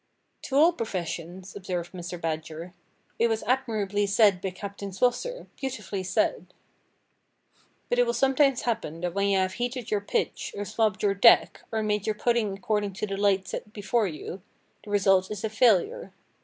"To all professions!" observed Mr. Badger. "It was admirably said by Captain Swosser; beautifully said!" But it will sometimes happen that when you have heated your pitch, or swabbed your deck, or made your pudding according to the lights set before you, the result is a failure.